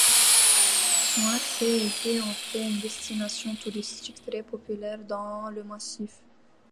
Son accès aisé en fait une destination touristique très populaire dans le massif.